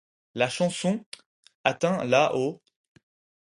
La chanson ', atteint la au '.